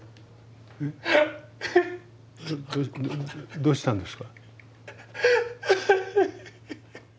どうしたんですか？